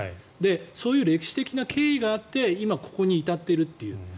そういう歴史的な経緯があって今ここに至ってるという。